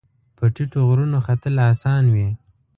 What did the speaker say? په ټیټو غرونو ختل اسان وي